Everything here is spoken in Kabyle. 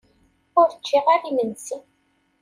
Ur ččiɣ ara imensi.